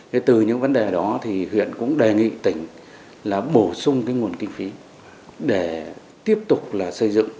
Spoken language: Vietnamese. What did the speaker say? thế từ những vấn đề đó thì huyện cũng đề nghị tỉnh là bổ sung cái nguồn kinh phí để tiếp tục là xây dựng